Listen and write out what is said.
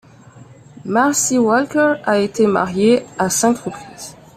Marcy Walker a été mariée à cinq reprises.